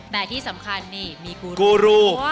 แต่ที่สำคัญมีกูรูด้วย